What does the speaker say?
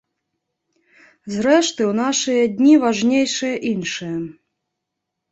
Зрэшты, у нашыя дні важнейшае іншае.